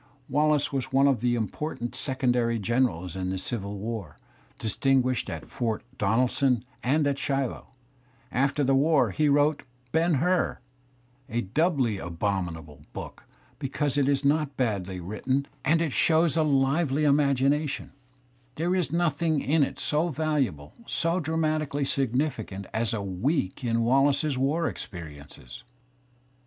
Wallace was one of the important secondary generals in the Civil War, distinguished at Fort Donelscm and at Shiloh. After the war he wrote " Ben Hur,"a doubly abominable book, because it is not badly written and it Digitized by Google 14 THE SPIRIT OF AMERICAN LITERATURE y shows a lively imagmation. There is nothing in it so valu / able, so dramatically significant as a week in Wallace's war ^ experiences.